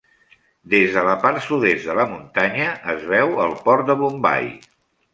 Des de la part sud-est de la muntanya es veu el port de Bombai.